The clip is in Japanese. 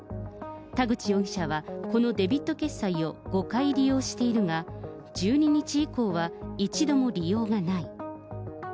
田口容疑者は、このデビット決済を５回利用しているが、１２日以降は一度も利用がない。